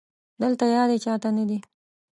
دلته يادې چا ته نه دي